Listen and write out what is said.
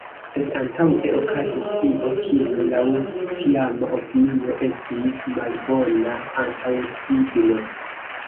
Sed antaŭe okazis io, kio, laŭ tiama opinio, estis malbona antaŭsigno.